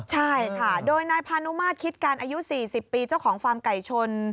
ใช่ค่ะโดยนายพานุมาตรคิดกันอายุ๔๐ปีเจ้าของฟาร์มไก่ชน